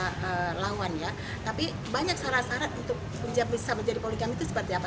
kita lawannya tapi banyak syarat syarat untuk bisa menjadi poligami itu seperti apa